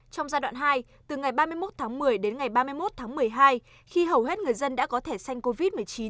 trong giai đoạn hai từ ngày ba mươi một tháng một mươi đến ngày ba mươi một tháng một mươi hai khi hầu hết người dân đã có thẻ xanh covid một mươi chín